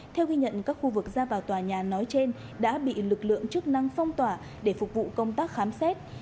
theo ghi nhận các khu vực ra vào tòa nhà nói trên đã bị lực lượng chức năng phong tỏa để phục vụ công tác khám xét